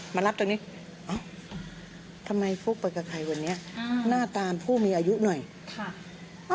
มารับตรงนี้เอ้าทำไมฟุ๊กไปกับใครวันนี้หน้าตามผู้มีอายุหน่อยค่ะ